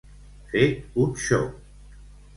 Fet un xop.